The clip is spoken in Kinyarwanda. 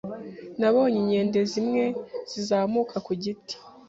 Nabonye inkende zimwe zizamuka ku giti.